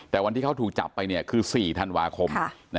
แต่วันที่เขาถูกจับไปคือ๔ธันวาคม